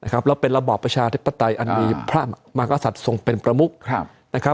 แล้วเป็นระบอบประชาธิปไตยอันมีพระมากษัตริย์ทรงเป็นประมุก